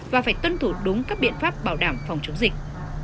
và phải tuân thủ đúng các biện pháp bảo đảm phòng chống dịch